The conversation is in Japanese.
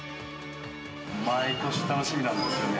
毎年、楽しみなんですよね。